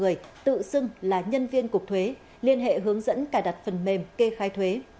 cục thuế tp hcm tự xưng là nhân viên cục thuế liên hệ hướng dẫn cài đặt phần mềm kê khai thuế